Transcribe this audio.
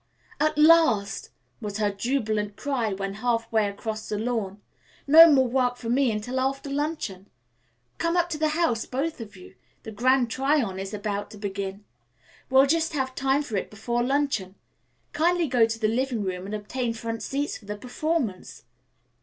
"At last!" was her jubilant cry when half way across the lawn. "No more work for me until after luncheon. Come up to the house, both of you. The grand try on is about to begin. We'll just have time for it before luncheon. Kindly go to the living room and obtain front seats for the performance."